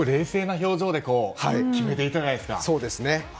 また冷静な表情で決めてるじゃないですか。